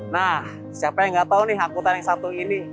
nah siapa yang gak tau nih hakutan yang satu ini